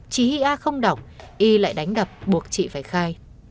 chị hia không đọc y lại đánh đập buộc chị phải khai